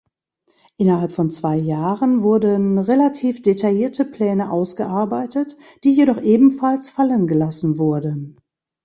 Innerhalb von zwei Jahren wurden relativ detaillierte Pläne ausgearbeitet, die jedoch ebenfalls fallengelassen wurden.